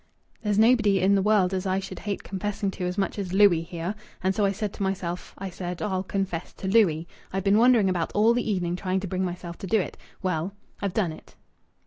There's nobody in the world as I should hate confessing to as much as Louis here, and so I said to myself, I said, 'I'll confess to Louis.' I've been wandering about all the evening trying to bring myself to do it.... Well, I've done it."